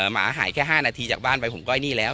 หมาหายแค่๕นาทีจากบ้านไปผมก้อยหนี้แล้ว